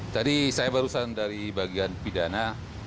jadi saya barusan dari bagian pidana